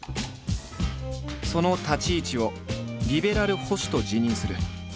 その立ち位置を「リベラル保守」と自認する。